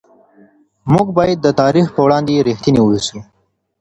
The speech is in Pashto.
موږ باید د تاریخ په وړاندې رښتیني واوسو.